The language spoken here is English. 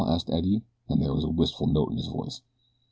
asked Eddie, and there was a wistful note in his voice.